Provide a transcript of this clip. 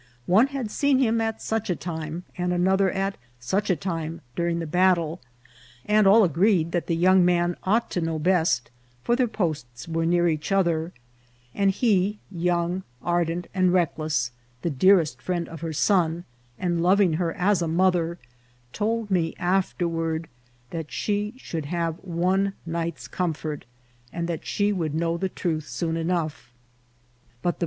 One had seen him at such a time, and another at such a time during the battle ; and all agreed that the young man ought to know best, for their posts were near each other ; and he, young, ardent, and reckless, the dearest friend of her son, and loving her as a mother, told me after ward that she should have one night's comfort, and that she would know the truth soon enough ; but the 88 INCIDENTS OF TRAYEL.